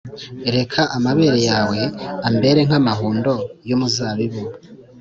Reka amabere yawe ambere nk’amahundo y’umuzabibu,